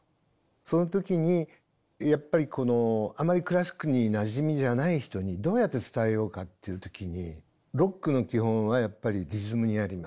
その時にやっぱりこのあまりクラシックになじみじゃない人にどうやって伝えようかっていう時にロックの基本はやっぱりリズムにあります。